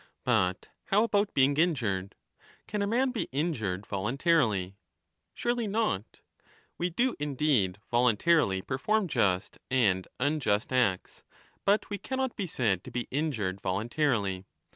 5 But how about being injured ? Can a man be injured voluntarily ? Surely not ! We do indeed voluntarily per form just and unjust acts, but we cannot be said to be injured voluntarily.